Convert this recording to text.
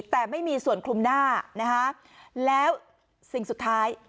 แต่ไม่มีส่วนคลุมหน้านะคะแล้วสิ่งสุดท้าย